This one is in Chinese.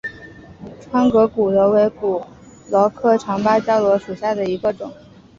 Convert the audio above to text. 窗格骨螺为骨螺科长芭蕉螺属下的一个种。